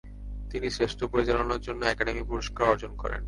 তিনি শ্রেষ্ঠ পরিচালনার জন্য একাডেমি পুরস্কার অর্জন করেন।